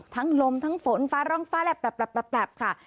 ทั้งลมทั้งฝนฟ้าร้องฟ้าแลบแป๊บค่ะ